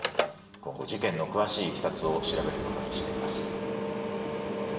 今後事件の詳しいいきさつを調べることにしています。